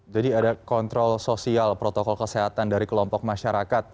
jadi ada kontrol sosial protokol kesehatan dari kelompok masyarakat